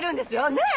ねえ！